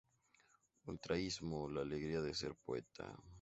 Ultraísmo: la alegría de ser poeta.